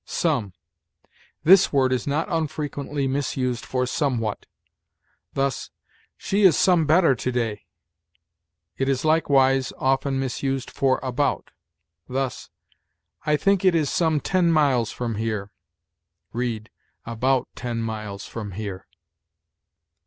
SOME. This word is not unfrequently misused for somewhat; thus, "She is some better to day." It is likewise often misused for about; thus, "I think it is some ten miles from here": read, "about ten miles from here."